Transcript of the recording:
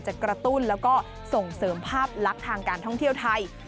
กระตุ้นแล้วก็ส่งเสริมภาพลักษณ์ทางการท่องเที่ยวไทย